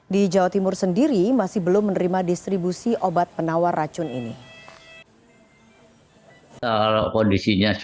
di jawa timur sendiri masih belum menerima distribusi obat penawar racun ini